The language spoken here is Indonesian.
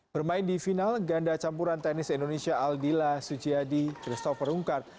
bermain di final ganda campuran tenis indonesia aldila suciadi christopher rungkat